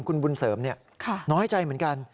คุณบุญเสริมน้อยใจเหมือนกัน